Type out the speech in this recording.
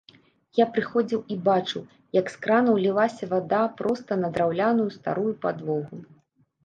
Я прыходзіў і бачыў, як з кранаў лілася вада проста на драўляную старую падлогу.